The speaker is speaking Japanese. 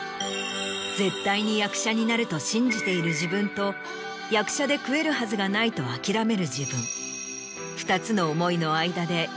「絶対に役者になる」と信じている自分と「役者で食えるはずがない」と諦める自分。